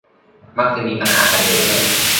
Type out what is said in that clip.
มักจะมีปัญหากันอยู่เรื่อย